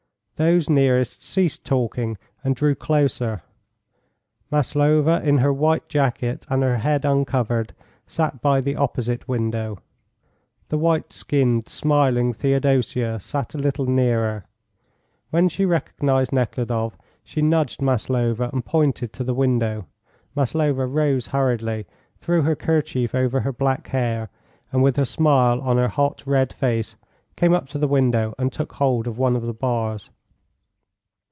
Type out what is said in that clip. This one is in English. Those nearest ceased talking and drew closer. Maslova, in her white jacket and her head uncovered, sat by the opposite window. The white skinned, smiling Theodosia sat a little nearer. When she recognised Nekhludoff, she nudged Maslova and pointed to the window. Maslova rose hurriedly, threw her kerchief over her black hair, and with a smile on her hot, red face came up to the window and took hold of one of the bars.